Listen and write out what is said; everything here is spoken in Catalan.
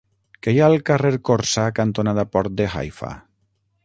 Què hi ha al carrer Corçà cantonada Port de Haifa?